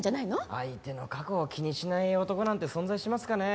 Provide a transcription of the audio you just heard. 相手の過去を気にしない男なんて存在しますかねえ？